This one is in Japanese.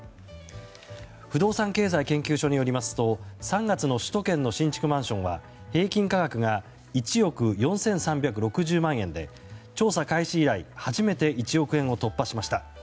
不動産経済研究所によりますと３月の首都圏の新築マンションは平均価格が１億４３６０万円で調査開始以来初めて１億円を突破しました。